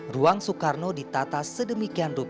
ruang soekarno ditata sedemikian rupa